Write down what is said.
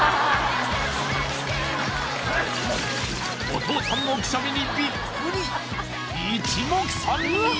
お父さんのくしゃみにビックリ